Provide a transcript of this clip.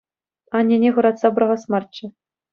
Аннене хӑратса пӑрахас марччӗ.